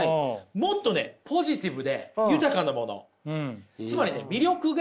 もっとねポジティブで豊かなもの。